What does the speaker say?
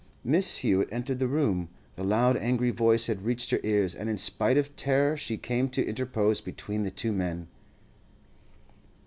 Mrs. Hewett entered the room; the loud angry voice had reached her ears, and in spite of terror she came to interpose between the two men.